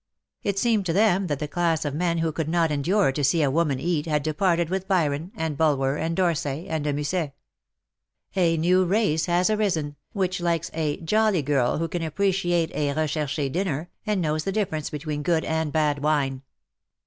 It seemed to them that the class of men who could not endure to see a woman eat had departed with Byron, and Bulwer, and D'Orsay, and De Musset. A new race has arisen, which likes a ''^jolly^^ girl who can appreciate a recherche dinner, and knows the difference between good and bad wine.